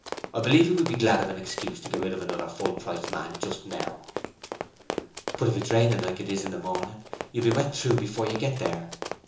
I believe he would be glad of an excuse to get rid of another full price man just now.' 'But if it's raining like this in the morning, you'll be wet through before you get there.'